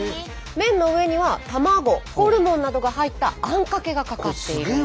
麺の上には卵ホルモンなどが入ったあんかけがかかっているんです。